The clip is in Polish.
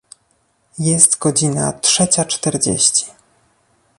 Jest godzina trzecia czterdzieści.